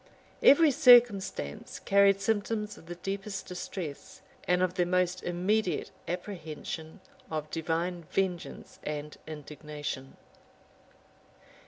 Every circumstance carried symptoms of the deepest distress, and of the most immediate apprehension of divine vengeance and indignation.